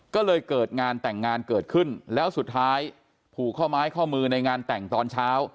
ก็เลยเกิดงานแต่งงานเกิดขึ้นแล้วสุดท้ายผูกข้อไม้ข้อมือในงานแต่งตอนเช้า